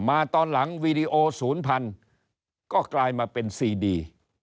ตอนหลังวีดีโอศูนย์พันก็กลายมาเป็นซีดี